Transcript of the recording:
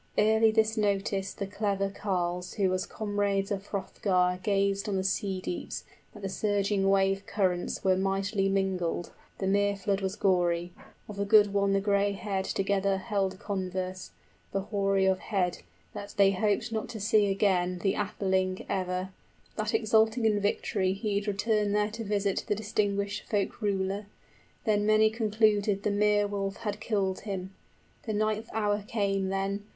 Early this noticed The clever carles who as comrades of Hrothgar {The waters are gory.} 35 Gazed on the sea deeps, that the surging wave currents Were mightily mingled, the mere flood was gory: Of the good one the gray haired together held converse, {Beowulf is given up for dead.} The hoary of head, that they hoped not to see again The atheling ever, that exulting in victory 40 He'd return there to visit the distinguished folk ruler: Then many concluded the mere wolf had killed him. The ninth hour came then.